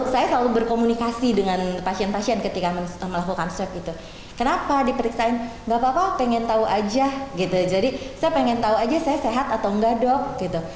saya selalu berkomunikasi dengan pasien pasien ketika melakukan swab gitu kenapa diperiksain nggak apa apa pengen tahu aja gitu jadi saya pengen tahu aja saya sehat atau enggak dok gitu